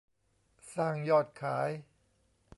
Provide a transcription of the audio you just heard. สร้างยอดขาย